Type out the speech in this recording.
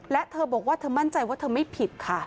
และเธอบอกว่าเธอมั่นใจว่าเธอไม่ผิดค่ะ